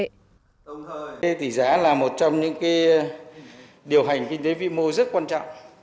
tổng thời tỷ giá là một trong những điều hành kinh tế vĩ mô rất quan trọng